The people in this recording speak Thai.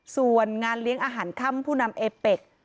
ส่วนงานเลี้ยงอาหารค่ำผู้นำเอเป็ก